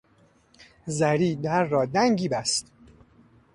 زری در را دنگی بست.